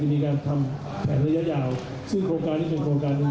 มีการทำแผนระยะยาวซึ่งโครงการนี้เป็นโครงการหนึ่ง